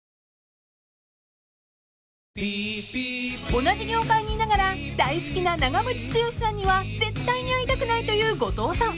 ［同じ業界にいながら大好きな長渕剛さんには絶対に会いたくないという後藤さん］